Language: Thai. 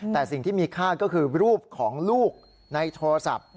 แต่สิ่งที่มีค่าก็คือรูปของลูกในโทรศัพท์